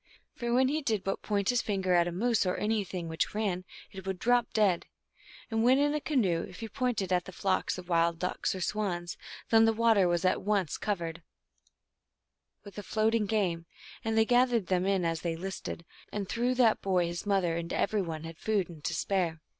For when he did but point his finger at a moose, or anything which ran, it would drop dead ; and when in a canoe, if he pointed at the flocks of wild ducks or swans, then the water was at once covered 256 THE ALGONQUIN LEGENDS. with the floating game, and they gathered them in as they listed, and through that boy his mother and every one had food and to spare.